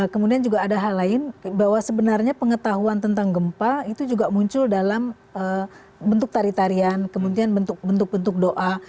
kemudian juga ada hal lain bahwa sebenarnya pengetahuan tentang gempa itu juga muncul dalam bentuk tarian tarian kemudian bentuk bentuk doa